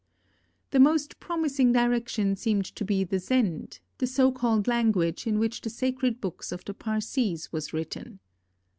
The most promising direction seemed to be the Zend, the so called language in which the sacred books of the Parsees was written.